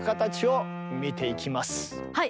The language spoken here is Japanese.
はい。